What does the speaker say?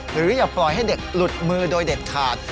อย่าปล่อยให้เด็กหลุดมือโดยเด็ดขาด